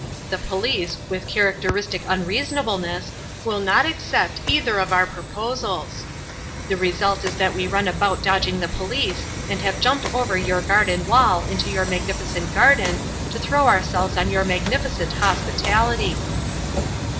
The police (with characteristic unreasonableness) will not accept either of our proposals; the result is that we run about dodging the police and have jumped over our garden wall into your magnificent garden to throw ourselves on your magnificent hospitality."